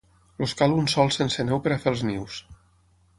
Els cal un sòl sense neu per a fer els nius.